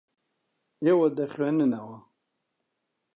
ئێوە دەخوێننەوە.